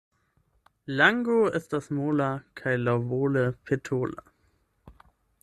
Lango estas mola kaj laŭvole petola.